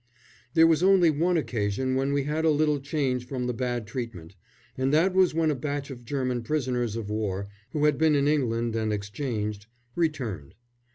There was only one occasion when we had a little change from the bad treatment, and that was when a batch of German prisoners of war, who had been in England and exchanged, returned.